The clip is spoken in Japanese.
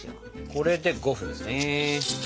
これで５分ですね。